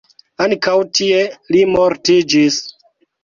Ankaŭ tie li mortiĝis.